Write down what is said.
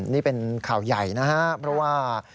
นี่เป็นข่าวใหญ่นะครับเพราะว่า